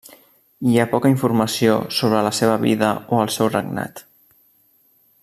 Hi ha poca informació sobre la seva vida o el seu regnat.